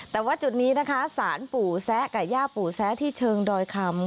แต่ว่าจุดนี้นะคะสารปู่แซะกับย่าปู่แซะที่เชิงดอยคำ